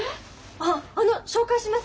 あっあの紹介します。